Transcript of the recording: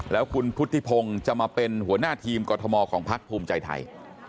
แล้วคุณพุทธิพงศ์จะมาเป็นหัวหน้าทีมกรทมของพักภูมิใจไทย